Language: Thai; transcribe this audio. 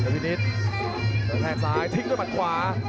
เวนิสเดินแทงซ้ายทิ้งด้วยมันขวา